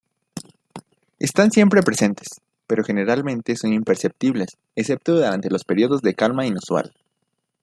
Están siempre presentes, pero generalmente son imperceptibles, excepto durante los períodos de calma inusual.